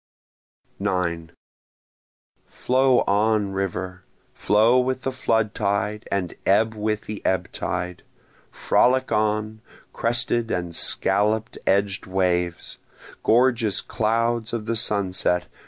9 Flow on, river! flow with the flood tide, and ebb with the ebb tide! Frolic on, crested and scallop edg'd waves! Gorgeous clouds of the sunset!